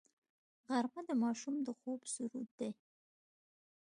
غرمه د ماشوم د خوب سرود دی